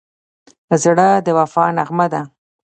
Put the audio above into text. زړه د وفا نغمه ده.